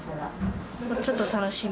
ちょっと楽しみ。